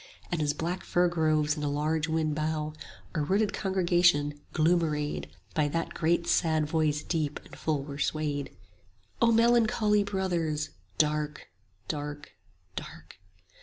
And as black fir groves in a large wind bow, Our rooted congregation, gloom arrayed, By that great sad voice deep and full were swayed: O melancholy Brothers, dark, dark, dark!